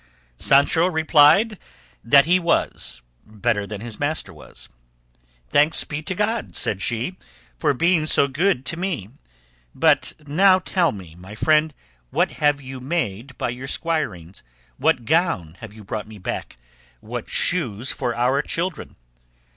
Sancho replied that he was, better than his master was. "Thanks be to God," said she, "for being so good to me; but now tell me, my friend, what have you made by your squirings? What gown have you brought me back? What shoes for your children?"